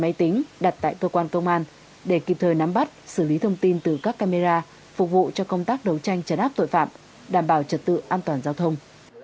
máy tính đặt tại cơ quan công an để kịp thời nắm bắt xử lý thông tin từ các camera phục vụ cho công tác đấu tranh chấn áp tội phạm đảm bảo trật tự an toàn giao thông